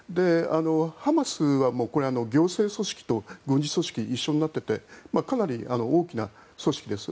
ハマスは行政組織と軍事組織一緒になっていてかなり大きな組織です。